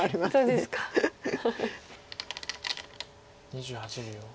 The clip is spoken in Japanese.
２８秒。